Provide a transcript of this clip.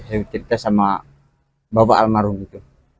saya cerita sama bapak almarhum gitu